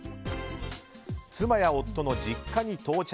妻や夫の実家に到着。